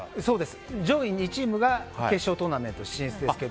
上位２チームが決勝トーナメント進出ですが。